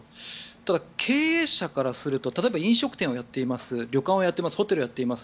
ただ経営者からすると例えば、飲食店をやっています旅館をやっていますホテルをやっています。